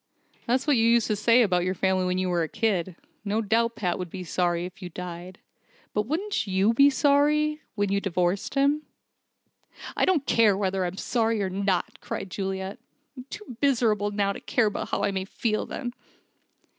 "That's what you used to say about your family when you were a kid. No doubt Pat would be sorry if you died. But wouldn't you be sorry when you'd divorced him?" "I don't care whether I'm sorry or not," cried Juliet. "I'm too miserable now to care about how I may feel then."